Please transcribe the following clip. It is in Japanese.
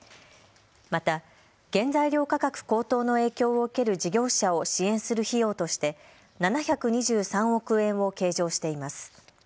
また原材料価格高騰の影響を受ける事業者を支援する費用として７２３億円を計上しています。